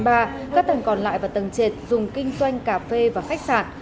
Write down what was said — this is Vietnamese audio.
các tầng còn lại và tầng trệt dùng kinh doanh cà phê và khách sạn